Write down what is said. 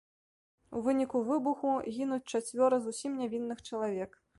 У выніку выбуху гінуць чацвёра зусім нявінных чалавек.